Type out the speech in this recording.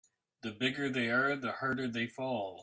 The bigger they are the harder they fall.